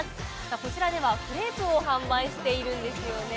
こちらではクレープを販売しているんですよね。